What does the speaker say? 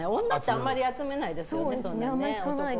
あんまり聞かないですね。